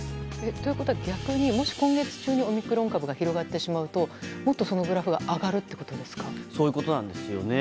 ということは逆にもし今月中にオミクロン株が広がってしまうともっとそのグラフがそういうことなんですよね。